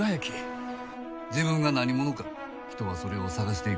自分が何者か人はそれを探していく。